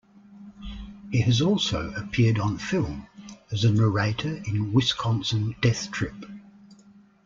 He has also appeared on film, as a narrator in Wisconsin Death Trip.